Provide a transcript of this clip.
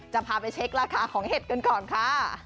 จะพาไปเช็คราคาของเห็ดกันก่อนค่ะ